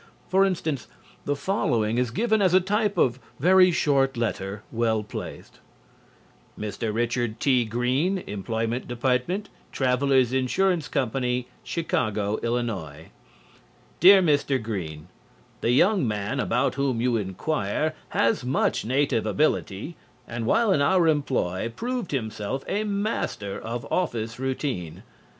For instance, the following is given as a type of "very short letter, well placed": Mr. Richard T. Green, Employment Department, Travellers' Insurance Co., Chicago, Ill. Dear Mr. Green: The young man about whom you inquire has much native ability and while in our employ proved himself a master of office routine.